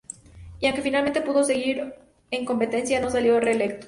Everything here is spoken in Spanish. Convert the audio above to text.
Y aunque finalmente pudo seguir en competencia, no salió reelecto.